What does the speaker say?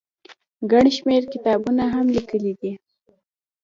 ګڼ شمېر کتابونه هم ليکلي دي